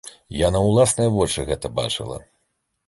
Я на ўласныя вочы гэта бачыла.